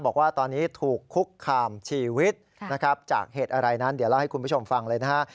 บอกว่าตอนนี้ถูกคุกคามชีวิตนะครับจากเหตุอะไรนั้นเดี๋ยวเล่าให้คุณผู้ชมฟังเลยนะฮะ